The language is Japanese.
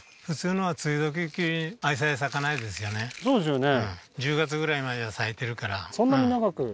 そうですよね